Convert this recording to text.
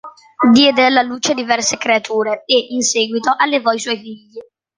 Diede alla luce diverse creature e, in seguito, allevò i suoi figli.